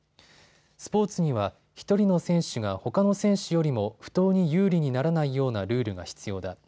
スポーツには１人の選手がほかの選手よりも不当に有利にならないようなルールが必要だ。